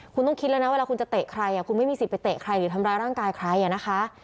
คุณต้องคิดแล้วนะเวลาคุณจะเตะใครคุณไม่มีสิทธิไปเตะใครหรือทำร้ายร่างกายใครนะคะ